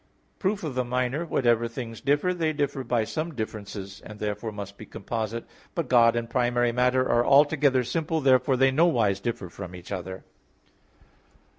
Proof of the minor whatever things differ, they differ by some differences, and therefore must be composite. But God and primary matter are altogether simple. Therefore they nowise differ from each other.